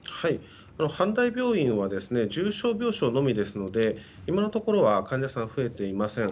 阪大病院は重症病床のみですので今のところは増えていません。